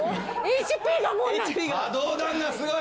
ＨＰがもうない。